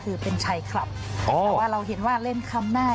คือเป็นชัยคลับแต่ว่าเราเห็นว่าเล่นคำหน้า